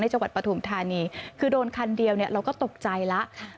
จังหวัดปฐุมธานีคือโดนคันเดียวเราก็ตกใจแล้ว